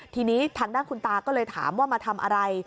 ทีนี้ทางด้านคุณตาก็เลยถามว่ามาทำอะไร